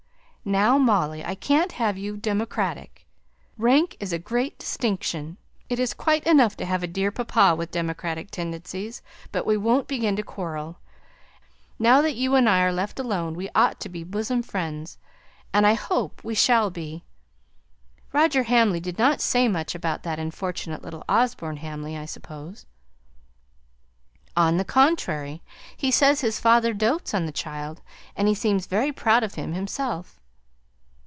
"Now, Molly, I can't have you democratic. Rank is a great distinction. It is quite enough to have dear papa with democratic tendencies. But we won't begin to quarrel. Now that you and I are left alone, we ought to be bosom friends, and I hope we shall be. Roger Hamley did not say much about that unfortunate little Osborne Hamley, I suppose?" "On the contrary, he says his father dotes on the child; and he seemed very proud of him, himself."